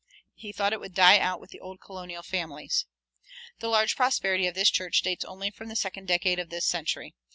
He "thought it would die out with the old colonial families."[213:1] The large prosperity of this church dates only from the second decade of this century.